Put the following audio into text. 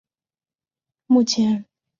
目前有一百零五艘船艇。